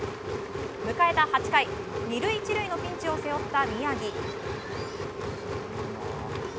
迎えた８回、２塁１塁のピンチを背負った宮城。